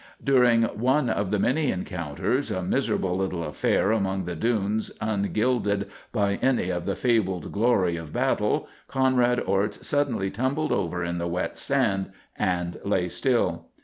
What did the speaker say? During one of the many encounters, a miserable little affair among the dunes ungilded by any of the fabled glory of battle, Conrad Orts suddenly tumbled over in the wet sand and lay still.